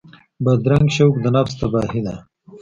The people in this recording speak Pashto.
بدرنګه شوق د نفس تباهي ده